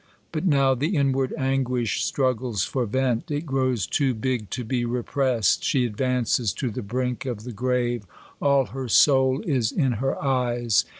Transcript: But now the inward anguish struggles for vent ; it grows too big to be repressed. She advances to the brink of the grave. All her soul is in her eyes.